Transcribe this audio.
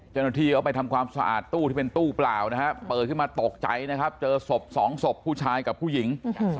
เจ้าหน้าที่เขาไปทำความสะอาดตู้ที่เป็นตู้เปล่านะฮะเปิดขึ้นมาตกใจนะครับเจอศพสองศพผู้ชายกับผู้หญิง